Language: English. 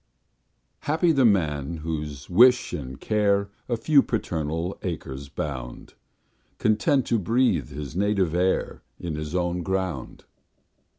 Happy the man, whose wish and care A few paternal acres bound, Content to breathe his native air In his own ground.